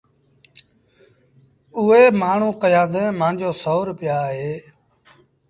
اُئي مآڻهوٚٚݩ ڪهيآݩدي مآݩجو سو روپيآ اهي